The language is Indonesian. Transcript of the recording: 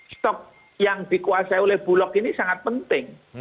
stok yang dikuasai oleh bulog ini sangat penting